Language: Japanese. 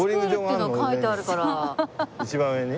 一番上に？